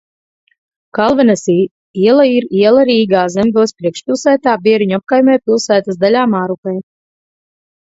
Kalvenes iela ir iela Rīgā, Zemgales priekšpilsētā, Bieriņu apkaimē, pilsētas daļā Mārupē.